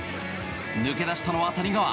抜け出したのは谷川。